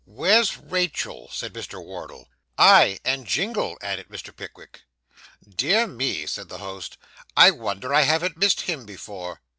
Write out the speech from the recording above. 'Where's Rachael?' said Mr. Wardle. 'Ay, and Jingle?' added Mr. Pickwick. 'Dear me,' said the host, 'I wonder I haven't missed him before.